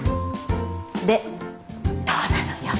でどうなのよ？